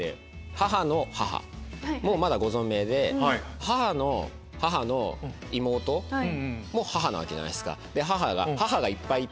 母の母もまだご存命で母の母の妹も母なわけじゃないですか。